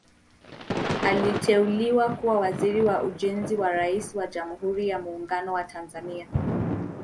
Aliteuliwa kuwa Waziri wa Ujenzi na Rais wa Jamhuri ya Muungano wa Tanzania